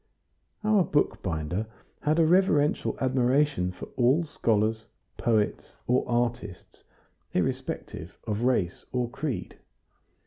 Our bookbinder had a reverential admiration for all scholars, poets, or artists, irrespective of race or creed.